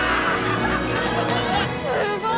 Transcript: すごい！